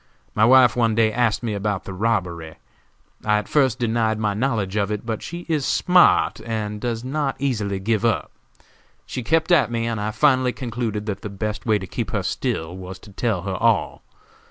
My wife one day asked me about the robbery; I at first denied any knowledge of it, but she is smart and does not easily give up. She kept at me and I finally concluded that the best way to keep her still was to tell her all.